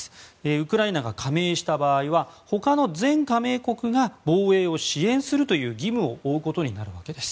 ウクライナが加盟した場合はほかの全加盟国が防衛を支援するという義務を負うことになるわけです。